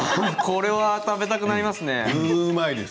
これは食べたくなりますね。